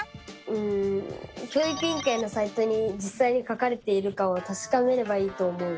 うん教育委員会のサイトにじっさいに書かれているかをたしかめればいいと思う！